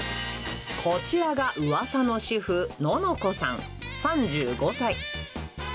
こちらが、うわさの主婦、ののこさん３５歳。